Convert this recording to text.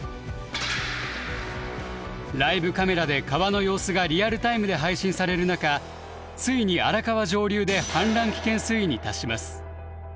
ライブカメラで川の様子がリアルタイムで配信される中ついに荒川上流で氾濫危険水位に達します。